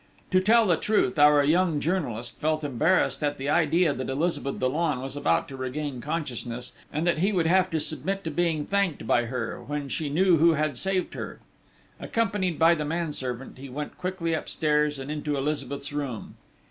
To tell the truth, our young journalist felt embarrassed at the idea that Elizabeth Dollon was about to regain consciousness, and that he would have to submit to being thanked by her, when she knew who had saved her. Accompanied by the manservant, he went quickly upstairs and into Elizabeth's room.